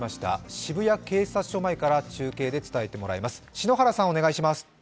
渋谷警察署前から中継で伝えてもらいます。